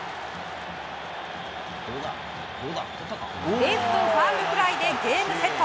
レフトファウルフライでゲームセット。